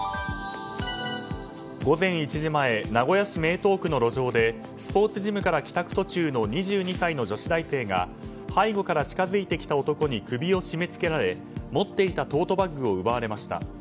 午前１時前名古屋市名東区の路上でスポーツジムから帰宅途中の２２歳の女子大生が背後から近付いてきた男に首を絞めつけられ持っていたトートバッグを奪われました。